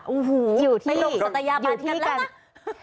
อู้หูไปลงสัตยาบาลกันแล้วนะอยู่ที่กันนะ